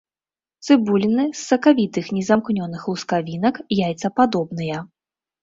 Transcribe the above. Цыбуліны з сакавітых незамкнёных лускавінак, яйцападобныя.